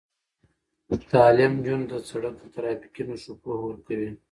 تعلیم نجونو ته د سړک د ترافیکي نښو پوهه ورکوي.